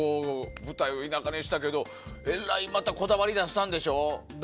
舞台を田舎にしていたけどえらい、またこだわったんでしょ。